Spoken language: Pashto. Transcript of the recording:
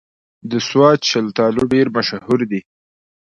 د سوات شلتالو ډېر مشهور دي